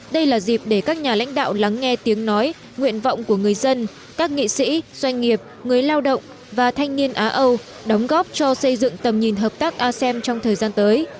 đây là dịp để các nhà lãnh đạo lắng nghe tiếng nói nguyện vọng của người dân các nghị sĩ doanh nghiệp người lao động và thanh niên á âu đóng góp cho xây dựng tầm nhìn hợp tác asem trong thời gian tới